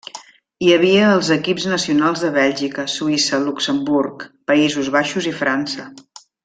Hi havia els equips nacionals de Bèlgica, Suïssa, Luxemburg, Països Baixos i França.